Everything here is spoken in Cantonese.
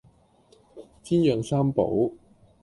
煎釀三寶